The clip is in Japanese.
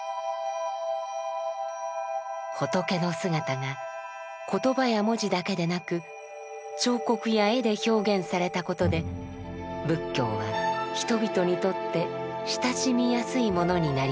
仏の姿が言葉や文字だけでなく彫刻や絵で表現されたことで仏教は人々にとって親しみやすいものになりました。